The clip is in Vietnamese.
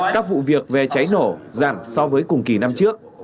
các vụ việc về cháy nổ giảm so với cùng kỳ năm trước